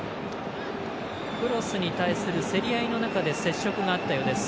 クロスに対する競り合いの中で接触があったようです。